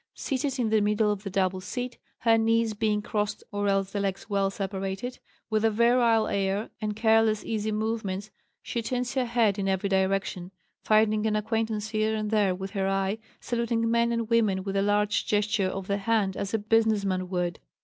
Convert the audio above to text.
Seated in the middle of the double seat, her knees being crossed or else the legs well separated, with a virile air and careless easy movements she turns her head in every direction, finding an acquaintance here and there with her eye, saluting men and women with a large gesture of the hand as a business man would.